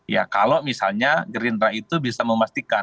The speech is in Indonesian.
ya kalau misalnya gerindra itu bisa membuka kemungkinan